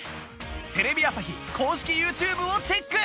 テレビ朝日公式 ＹｏｕＴｕｂｅ をチェック！